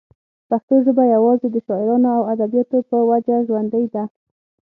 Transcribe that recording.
پښتو ژبه يوازې دَشاعرانو او اديبانو پۀ وجه ژوندۍ ده